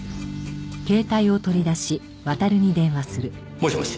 もしもし？